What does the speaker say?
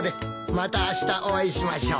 またあしたお会いしましょう。